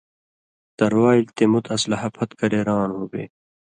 تروالیۡ تے مُت اسلحہ پھت کرے روان ہُوگے؛